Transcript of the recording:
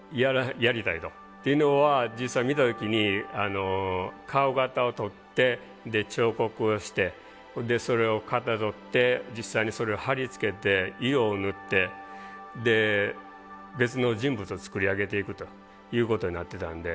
というのは実際見た時に顔型を取って彫刻をしてそれをかたどって実際にそれを貼り付けて色を塗ってで別の人物を作り上げていくということになってたんで。